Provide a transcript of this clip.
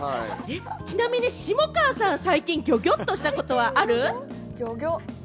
ちなみに下川さん、最近ギョギョッとしたことはある？